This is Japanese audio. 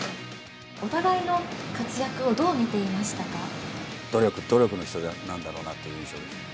お互いの活躍をどう見ていま努力、努力の人なんだろうなという印象ですね。